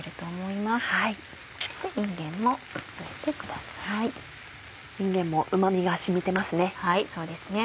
いんげんもうま味が染みてますね。